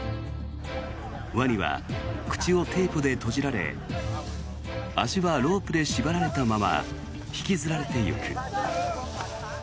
ワニは口をテープで閉じられ足はロープで縛られたまま引きずられていく。